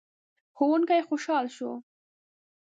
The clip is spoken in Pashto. ښوونکی خوشحال شو.